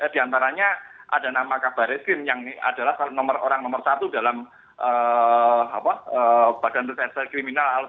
di antaranya ada nama kabar eskrim yang adalah orang nomor satu dalam badan reserse kriminal